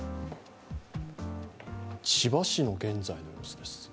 千葉市の現在の様子。